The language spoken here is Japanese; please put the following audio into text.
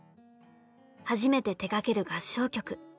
初めて手がける合唱曲。